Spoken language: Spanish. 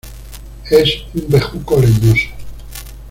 Es un bejuco leñoso.